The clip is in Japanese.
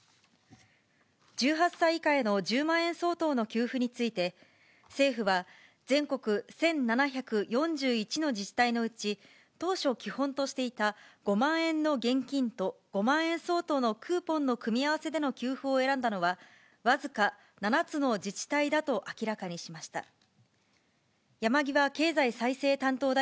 １８歳以下への１０万円相当の給付について、政府は全国１７４１の自治体のうち、当初基本としていた５万円の現金と、５万円相当のクーポンの組み合わせでの給付を選んだのは、僅か７つの自治体だと明らかにしました。